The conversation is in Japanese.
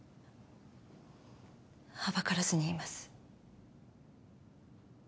はばからずに言います。